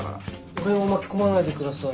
俺を巻き込まないでください。